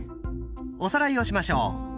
おさらいをしましょう。